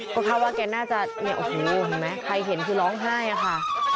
ก็คาดว่าแกน่าจะเนี่ยโอ้โหเห็นไหมใครเห็นคือร้องไห้อะค่ะ